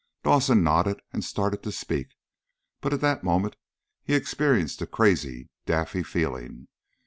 Dawson nodded, and started to speak, but at that moment he experienced a crazy, daffy feeling.